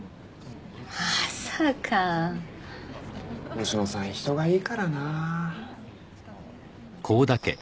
佳乃さん人がいいからな。